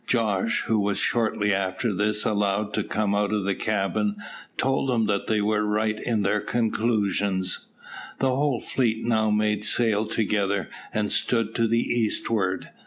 Jos, who was shortly after this allowed to come out of the cabin, told them that they were right in their conclusions. The whole fleet now made sail together, and stood to the eastward.